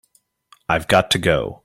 I've got to go.